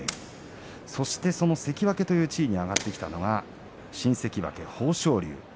そしてその関脇という地位に上がってきたのは新関脇の豊昇龍です。